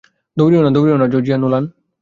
দৌড়িও না, দৌড়িও না, জর্জিয়া নৌলান।